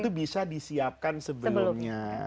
itu bisa disiapkan sebelumnya